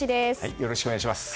よろしくお願いします。